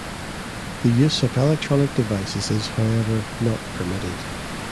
The use of electronic devices is however not permitted.